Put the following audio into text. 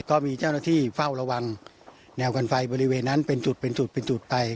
ก็มีเจ้าหน้าที่เฝ้าระวังแนวกันไฟบริเวณนั้นเป็นจุดไป